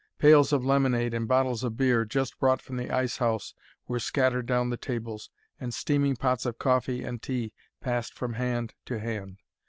Pails of lemonade and bottles of beer, just brought from the ice house, were scattered down the tables, and steaming pots of coffee and tea passed from hand to hand.